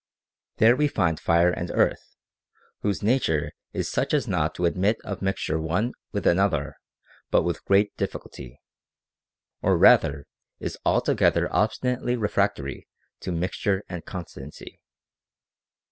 There we find fire and earth, whose nature is such as not to admit of mixture one with another but with great difficulty, or rather is altogether obstinately refractory to mixture and constancy.